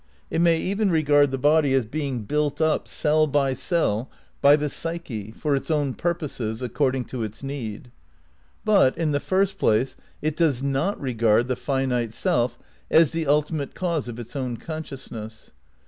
It may even regard the body as being built up, cell by cell, by the psyche, for its own purposes, ac cording to its need. But, in the first place, it does not regard the finite self as the ultimate cause of its own consciousness.